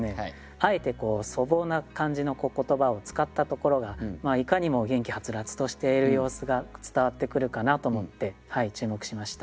あえて粗暴な感じの言葉を使ったところがいかにも元気はつらつとしている様子が伝わってくるかなと思って注目しました。